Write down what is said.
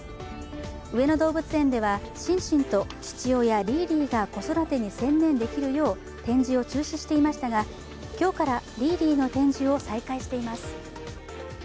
上野動物園ではシンシンと父親リーリーが子育てに専念できるよう展示を中止していましたが今日からリーリーの展示を再開しています。